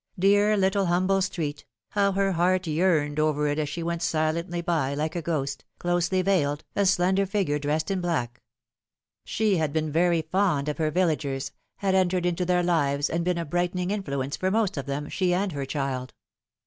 Dear little humble street, how her heart yearned over it as she went silently by like a ghost, closely veiled, a slender figure dressed in black ! She had been very fond of her villagers, had entered into their lives and been a brightening influence for most of them, she and her child.